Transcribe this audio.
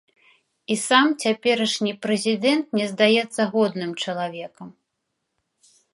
І сам цяперашні прэзідэнт мне здаецца годным чалавекам.